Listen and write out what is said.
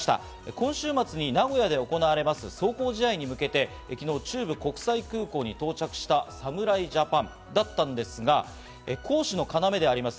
今週末に名古屋で行われます壮行試合に向けて、昨日、中部国際空港に到着した侍ジャパンだったんですが、攻守の要であります